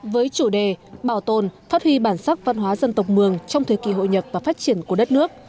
với chủ đề bảo tồn phát huy bản sắc văn hóa dân tộc mường trong thời kỳ hội nhập và phát triển của đất nước